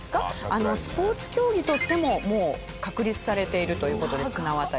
スポーツ競技としてももう確立されているという事で綱渡り。